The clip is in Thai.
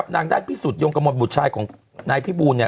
นางได้พิสูจน์ยงกมลบุตรชายของนายพี่บูน